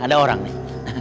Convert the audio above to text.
ada orang nih